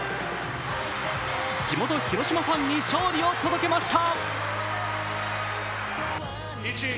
地元・広島ファンに勝利を届けました。